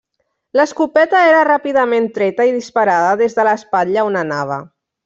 L'escopeta era ràpidament treta i disparada des de l'espatlla on anava.